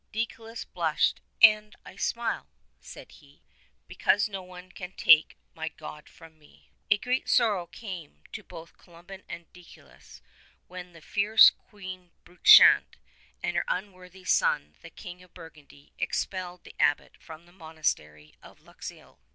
Deicolus blushed, and 'I smile,' said he, 'Because no one can take my God from me.' A great sorrow came both to Columban and Deicolus when the fierce Queen Brunchant, and her unworthy son the King of Burgundy, expelled the Abbot from the monastery of Luxeuil.